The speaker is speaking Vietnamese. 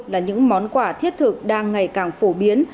là những món quà thiết thực đang ngày càng phổ biến